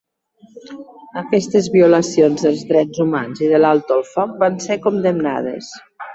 Aquestes violacions dels drets humans i de l'alto el foc van ser condemnades.